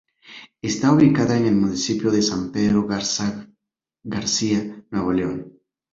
Está ubicada en el municipio de San Pedro Garza García, Nuevo León.